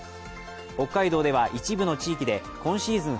北海道では一部の地域で今シーズン